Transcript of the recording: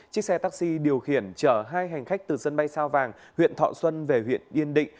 chiếc xe taxi điều khiển chở hai hành khách từ sân bay sao vàng huyện thọ xuân về huyện yên định